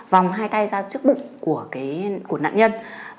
vòng hai tay ra trước bụng của nạn nhân